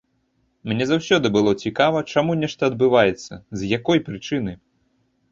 Мне заўсёды было цікава, чаму нешта адбываецца, з якой прычыны.